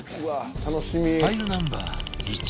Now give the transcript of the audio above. ファイルナンバー１